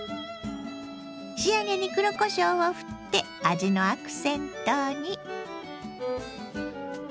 仕上げに黒こしょうをふって味のアクセントに。